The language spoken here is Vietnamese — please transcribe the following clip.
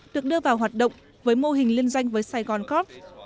được đưa vào hoạt động với mô hình liên doanh với saigoncorp